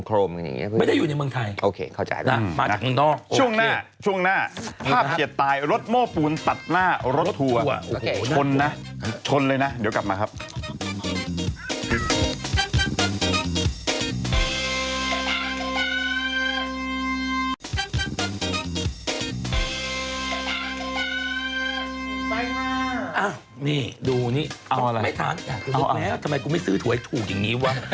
กูจะเอาเสร็จบ่อยสิผมก็งง